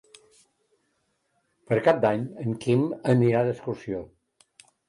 Per Cap d'Any en Quim anirà d'excursió.